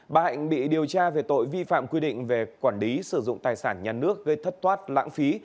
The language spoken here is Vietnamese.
bà hạnh bị điều tra về tội vi phạm quy định về quản lý sử dụng tài sản nhà nước gây thất thoát lãng phí